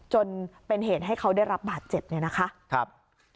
จนเป็นเหตุให้เขาได้รับบาดเจ็บเนี่ยนะคะ